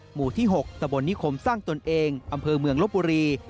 หมู่ที่๖ตะบลนิคมสร้างตนเองอำเภอเมืองลบบุรี